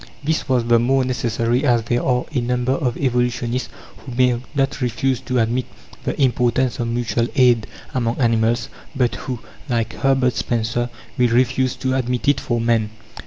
This was the more necessary as there are a number of evolutionists who may not refuse to admit the importance of mutual aid among animals, but who, like Herbert Spencer, will refuse to admit it for Man.